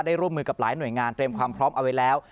ร่วมมือกับหลายหน่วยงานเตรียมความพร้อมเอาไว้แล้ว